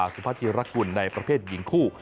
สุพัชิรกุลในประเภทหญิงคู่